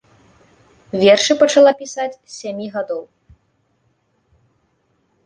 Вершы пачала пісаць з сямі гадоў.